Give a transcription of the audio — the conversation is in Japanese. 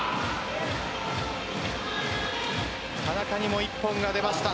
田中にも１本が出ました。